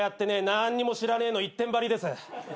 何にも知らねえ」の一点張りです。